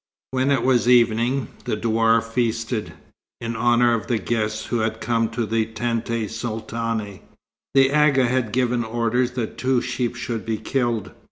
When it was evening, the douar feasted, in honour of the guests who had come to the tente sultane. The Agha had given orders that two sheep should be killed.